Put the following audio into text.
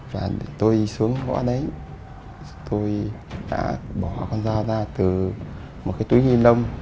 và để tôi xuống ngõ đấy tôi đã bỏ con dao ra từ một cái túi nhi nông